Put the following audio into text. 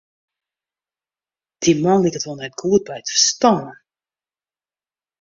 Dy man liket wol net goed by it ferstân.